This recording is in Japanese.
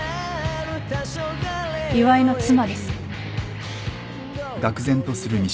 岩井の妻です。